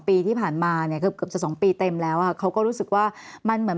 ๒ปีที่ผ่านมาเนี่ยก็จะ๒ปีเต็มแล้วเขาก็รู้สึกว่ามันเหมือน